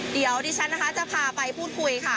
เดี๋ยวดิฉันนะคะจะพาไปพูดคุยค่ะ